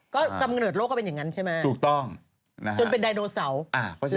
ก็กำเนิดโลกก็เป็นอย่างนั้นใช่ไหมจนเป็นดายโนเสาร์